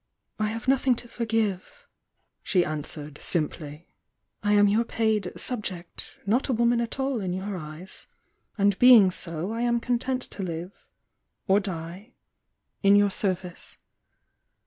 ,.„,, „;„„i„ "I have nothing to forgive," she answered, simply —"I am your paid 'subject,'— not a woman at au in your eyes. And being so, I am content to hve— or die — in your service."